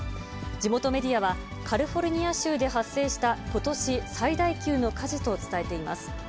地元メディアは、カリフォルニア州で発生したことし最大級の火事と伝えています。